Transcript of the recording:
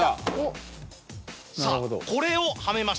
さぁこれをはめました。